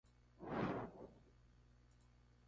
Kuwait tiene una embajada en Madrid.